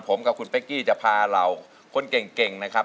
ผมกับคุณเป๊กกี้จะพาเราคนเก่งนะครับ